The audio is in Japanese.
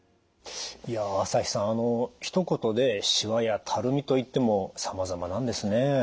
朝日さんひと言でしわやたるみといってもさまざまなんですね。